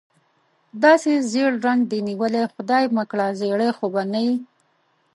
داسې ژېړ رنګ دې نیولی، خدای مکړه زېړی خو به نه یې؟